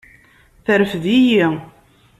Terfed-iyi.